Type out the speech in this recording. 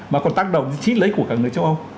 mà còn tác động đến chính lợi ích của các nước châu âu